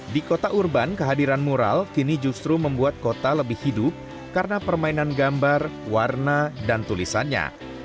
di kota urban kehadiran mural kini justru membuat kota lebih hidup karena permainan gambar warna dan tulisannya